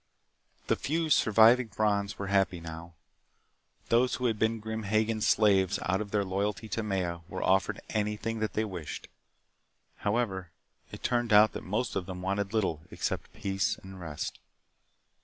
The few surviving Brons were happy now. Those who had been Grim Hagen's slaves out of their loyalty to Maya were offered anything that they wished. However, it turned out that most of them wanted little except peace and rest.